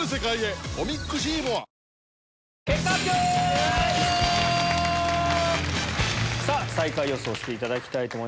ニトリさぁ最下位予想していただきたいと思います。